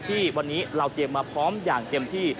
ที่วันนี้เราเตรียมมาพร้อมอย่างเต็มที่